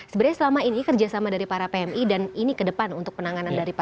sebenarnya selama ini kerjasama dari para pmi dan ini ke depan untuk penanganan dari pmi